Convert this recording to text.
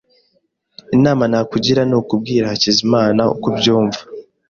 Inama nakugira nukubwira Hakizimana uko ubyumva.